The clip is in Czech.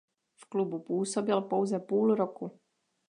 V klubu působil pouze půl roku.